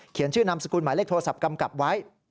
ชื่อนามสกุลหมายเลขโทรศัพท์กำกับไว้